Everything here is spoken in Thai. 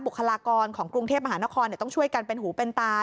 คลากรของกรุงเทพมหานครต้องช่วยกันเป็นหูเป็นตา